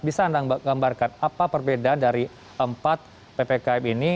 bisa anda gambarkan apa perbedaan dari empat ppkm ini